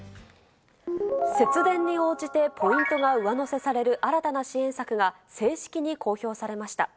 節電に応じてポイントが上乗せされる新たな支援策が、正式に公表されました。